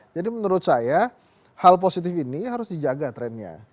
jadi menurut saya hal positif ini harus dijaga trendnya